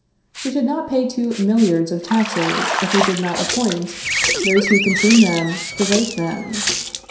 We should not pay two milliards of taxes if we did not appoint those who consume them to vote them.